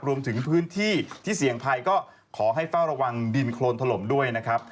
รวมถึงพื้นที่ที่เสี่ยงภัยก็ขอให้เฝ้าระวังดินโครนถล่มด้วยนะครับ